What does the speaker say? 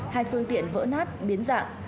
hai phương tiện vỡ nát biến dạng